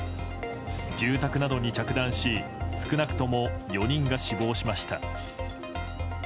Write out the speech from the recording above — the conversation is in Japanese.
住宅などに着弾し少なくとも４人が死亡しました。